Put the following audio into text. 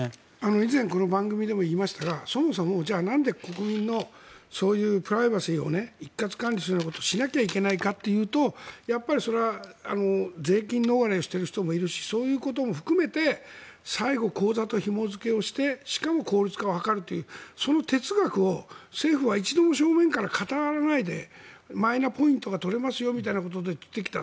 以前この番組でも言いましたがそもそも、なんで国民のそういうプライバシーを一括管理するようなことをしなきゃいけないかというとそれは税金逃れをしている人もいるしそういうことも含めて最後、口座とひも付けしてしかも効率化を図るというその哲学を政府は一度も正面から語らないでマイナポイントが取れますよみたいなことで釣ってきた。